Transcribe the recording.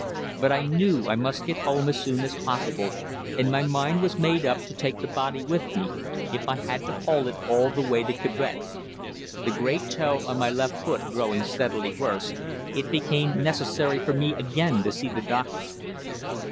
But I knew I must get home as soon as possible, and my mind was made up to take the body with me, if I had to haul it all the way to Quebec. The great toe on my left foot growing steadily worse, it became necessary for me again to see the doctor.